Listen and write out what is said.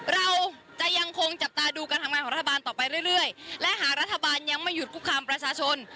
เราจะยังคงจับตาดูการทำงานของรัฐบาลต่อไปเรื่อยและหากรัฐบาลยังไม่หยุดคุกคามประชาชน